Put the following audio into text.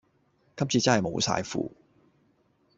今次真係無晒符